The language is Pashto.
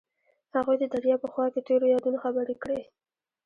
هغوی د دریا په خوا کې تیرو یادونو خبرې کړې.